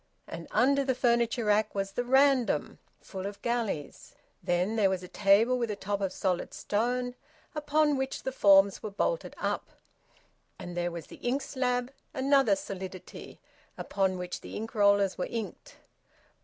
And under the furniture rack was the `random,' full of galleys. Then there was a table with a top of solid stone, upon which the formes were bolted up. And there was the ink slab, another solidity, upon which the ink rollers were inked.